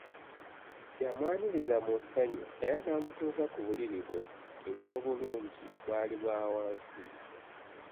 Yamwaniriza mu ssanyu era n’amutuuza ku buliri bwe, eky’obulungi bwali bwa wansi.